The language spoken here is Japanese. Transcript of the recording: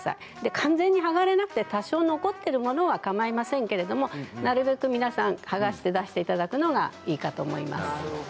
完全に剥がれなくても多少残っているものは構いませんけれどなるべく皆さん剥がして出していただくのがいいと思います。